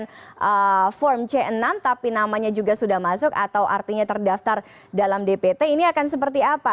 bukan form c enam tapi namanya juga sudah masuk atau artinya terdaftar dalam dpt ini akan seperti apa